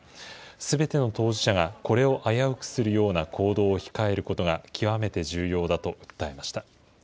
すべての当事者がこれを危うくするような行動を控えることが極めて重要だと訴えました。